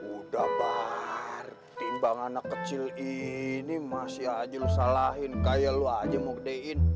udah bari timbang anak kecil ini masih aja lu salahin kaya lu aja mau gedein